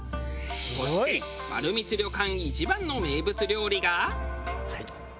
そしてまるみつ旅館一番の名物料理が。